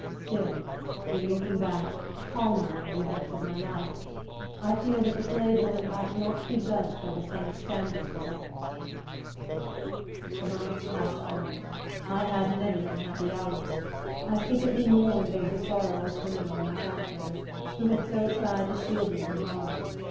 Still, in looking back, calmly, on the events of my life, I feel that the slave woman ought not to be judged by the same standard as others. The months passed on. I had many unhappy hours. I secretly mourned over the sorrow I was bringing on my grandmother, who had so tried to shield me from harm.